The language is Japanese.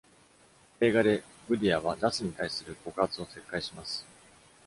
映画で Budhia は Das に対する告発を撤回します。